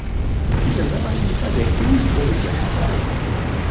Yeẓra Yuba d akken ur rebbḥeɣ ara.